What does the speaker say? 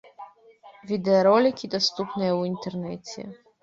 Відэаролікі даступныя ў інтэрнэце.